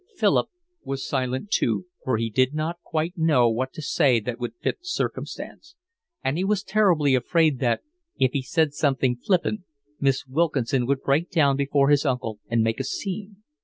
Philip was silent too, for he did not quite know what to say that would fit the circumstance; and he was terribly afraid that, if he said something flippant, Miss Wilkinson would break down before his uncle and make a scene.